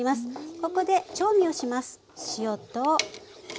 ここで調味をします。